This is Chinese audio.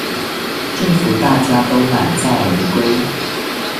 祝福大家都满载而归